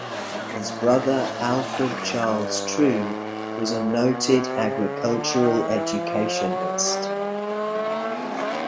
His brother Alfred Charles True was a noted agricultural educationist.